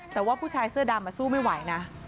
แต่ว่าผู้ชายเสื้อดำสู้ไม่ไหวนะ